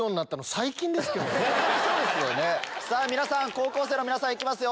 高校生の皆さん行きますよ。